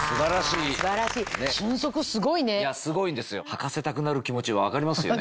履かせたくなる気持ち分かりますよね。